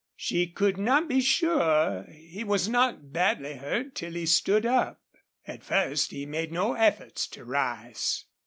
She could not be sure he was not badly hurt till he stood up. At first he made no efforts to rise.